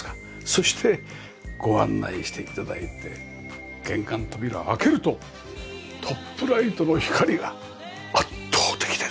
そしてご案内して頂いて玄関扉を開けるとトップライトの光が圧倒的ですよね。